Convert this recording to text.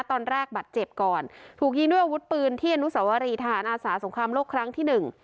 บัตรเจ็บก่อนถูกยิงด้วยอาวุธปืนที่อนุสวรีทหารอาสาสงครามโลกครั้งที่หนึ่ง